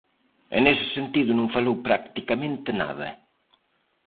E nese sentido non falou practicamente nada.